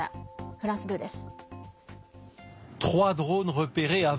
フランス２です。